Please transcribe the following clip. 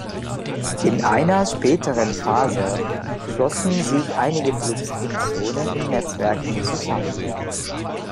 In einer späteren Phase schlossen sich einige Clubs in Zonen und Netzwerken zusammen.